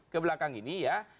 kebelakang ini ya